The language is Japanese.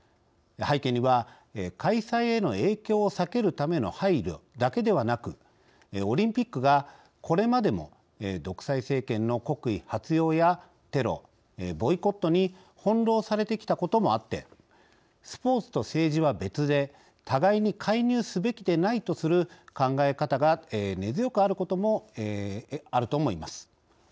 背景には開催への影響を避けるための配慮だけではなくオリンピックが、これまでも独裁政権の国威発揚やテロボイコットに翻弄されてきたこともあってスポーツと政治は別で互いに介入すべきでないとする考えが根強くあることもあると思います。